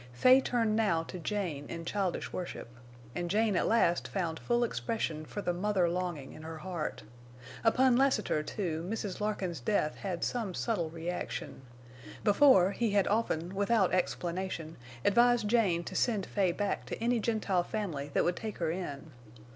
Fay turned now to Jane in childish worship. And Jane at last found full expression for the mother longing in her heart. Upon Lassiter, too, Mrs. Larkin's death had some subtle reaction. Before, he had often, without explanation, advised Jane to send Fay back to any Gentile family that would take her in.